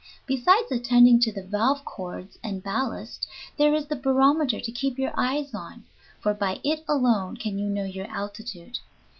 Besides attending to valve cords and ballast there is the barometer to keep your eyes on, for by it alone can you know your altitude.